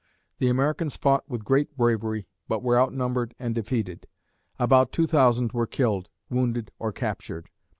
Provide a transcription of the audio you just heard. The Americans fought with great bravery, but were outnumbered and defeated. About two thousand were killed, wounded or captured.